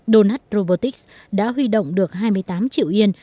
donat robotics đã huy động được hai mươi tám triệu yên